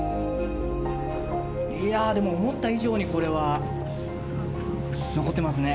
いやでも思った以上にこれは残ってますね。